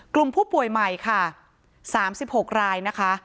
กลุ่มผู้ป่วยใหม่ค่ะ๓๖รายนะคะ